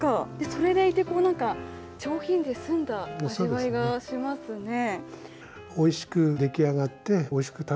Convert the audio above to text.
それでいて、上品で澄んだ味わいがしますね。